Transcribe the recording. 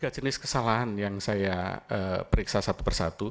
tiga jenis kesalahan yang saya periksa satu persatu